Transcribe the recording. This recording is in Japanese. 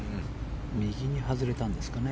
右に外れたんですかね。